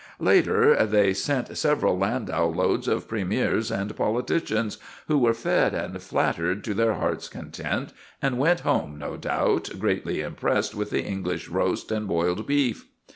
Later, they sent several landau loads of premiers and politicians, who were fed and flattered to their hearts' content, and went home, no doubt, greatly impressed with the English roast and boiled beef.